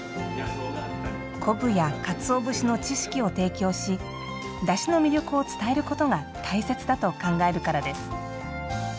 昆布やかつお節の知識を提供しだしの魅力を伝えることが大切だと考えるからです。